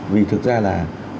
vì thực ra là